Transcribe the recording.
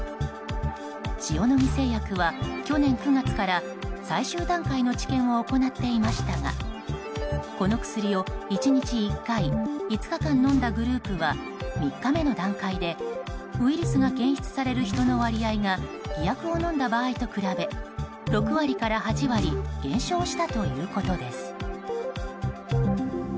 塩野義製薬は去年９月から最終段階の治験を行っていましたがこの薬を１日１回５日間飲んだグループは３日目の段階でウイルスが検出される人の割合が偽薬を飲んだ場合と比べ６割から８割減少したということです。